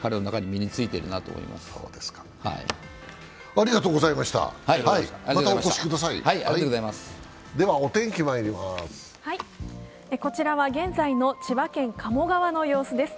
こちらは現在の千葉県鴨川の様子です。